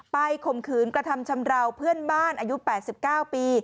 ข่มขืนกระทำชำราวเพื่อนบ้านอายุ๘๙ปี